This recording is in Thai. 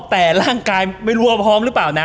แต่ร่างกายไม่รู้ว่าพร้อมหรือเปล่านะ